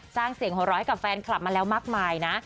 สร้างเสียงหัวร้อยกับแฟนคลับมาแล้วมากมายนะ